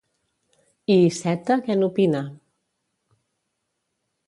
I Iceta, què n'opina?